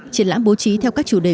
triển lãm bố trí theo các chủ đề